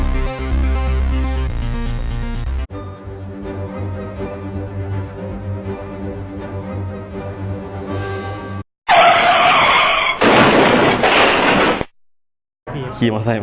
มาถึงล่างทาง